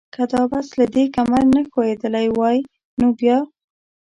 که دا بس له دې کمر نه ښویېدلی وای نو بیا؟